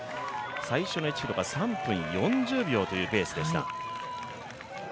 最初の１ｋｍ、３分４０秒というペースでした。